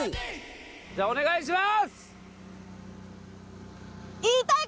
じゃあお願いします！